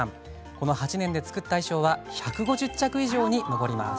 この８年で作った衣装は１５０着以上に上ります。